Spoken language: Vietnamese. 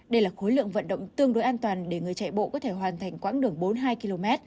đây là khối lượng vận động tương đối an toàn để người chạy bộ có thể hoàn thành quãng đường bốn mươi hai km